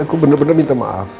aku bener bener minta maaf